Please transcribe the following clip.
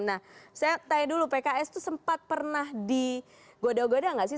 nah saya tanya dulu pks itu sempat pernah digoda goda gak sih